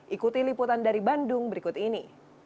ikuti liputan dari bandung berikut ini